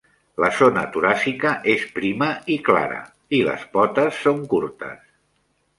La zona toràcica és prima i clara, i les potes són curtes.